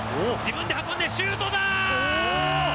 自分で運んでシュートだ。